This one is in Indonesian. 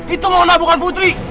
itu mengenal bukan putri